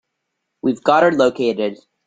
We've got her located.